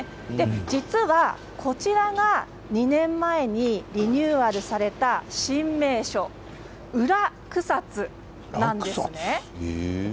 実はこちらが２年前にリニューアルされた新名所、裏草津なんです。